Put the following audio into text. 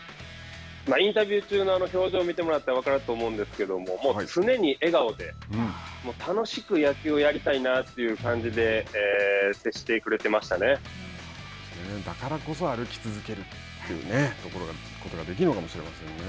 インタビュー中のあの表情を見てもらったら分かると思うんですけれどももう常に笑顔で楽しく野球をやりたいなという感じでだからこそ歩き続けるということができるのかもしれませんね。